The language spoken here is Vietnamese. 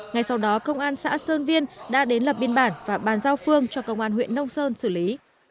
ngay sau đó công an xã sơn viên đã đến lập biên bản và bàn giao phương cho công an huyện nông sơn xử lý